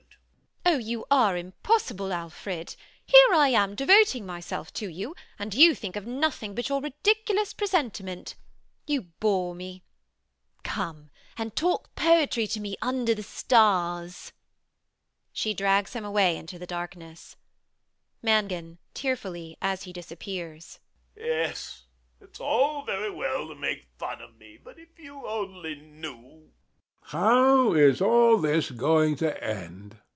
Oh, you are impossible, Alfred. Here I am devoting myself to you; and you think of nothing but your ridiculous presentiment. You bore me. Come and talk poetry to me under the stars. [She drags him away into the darkness]. MANGAN [tearfully, as he disappears]. Yes: it's all very well to make fun of me; but if you only knew HECTOR [impatiently]. How is all this going to end?